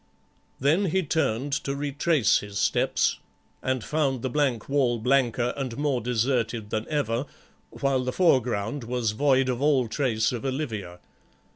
Then he turned to retrace his steps, and found the blank wall blanker and more deserted than ever, while the foreground was void of all trace of Olivia.